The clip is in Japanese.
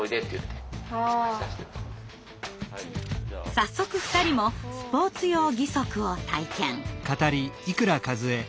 早速２人もスポーツ用義足を体験。